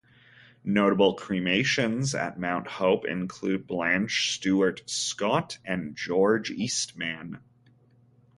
Notable cremations at Mount Hope include Blanche Stuart Scott and George Eastman.